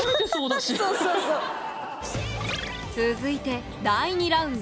続いて第２ラウンド。